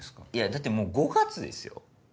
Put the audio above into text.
だってもう５月ですよ？